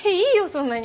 そんなに。